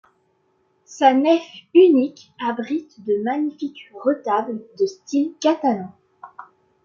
Sa nef unique abrite de magnifiques retables de style catalan.